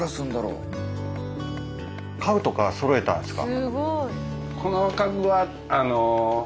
家具とかそろえたんですか？